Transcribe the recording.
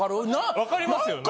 分かりますよね。